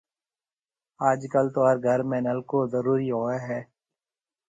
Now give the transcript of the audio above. اج ڪل تو هر گهر ۾ نلڪو زرورِي هوئي هيَ۔